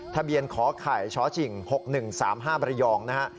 ทะเบียนขอไข่ชฉิง๖๑๓๕บรยองนะฮะ